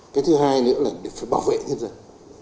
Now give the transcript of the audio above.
cái thứ hai nữa là phải bảo vệ nhân dân